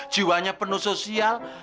jiwanya penuh sosial